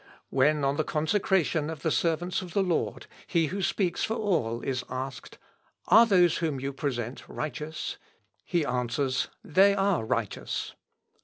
When on the consecration of the servants of the Lord he who speaks for all is asked, 'Are those whom you present righteous? He answers They are righteous.